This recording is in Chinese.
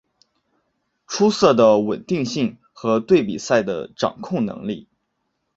出色的稳定性和对比赛的掌控能力。